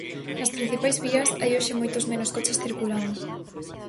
Nas principais vías hai hoxe moitos menos coches circulando.